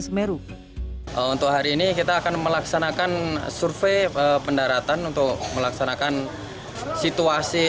semeru untuk hari ini kita akan melaksanakan survei pendaratan untuk melaksanakan situasi